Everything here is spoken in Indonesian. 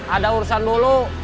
ada urusan dulu